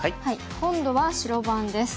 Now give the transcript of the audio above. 今度は白番です。